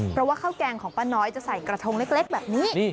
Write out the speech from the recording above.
เพราะว่าข้าวแกงของป้าน้อยจะใส่กระทงเล็กแบบนี้